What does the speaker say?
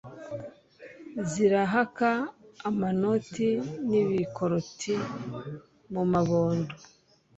Zirahaka amanoti nibikoroti mu mabondo